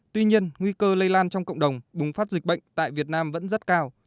tuy nhiên nguy cơ lây lan trong cộng đồng bùng phát dịch bệnh tại việt nam vẫn rất cao